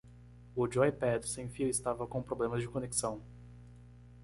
O joypad sem fio estava com problemas de conexão.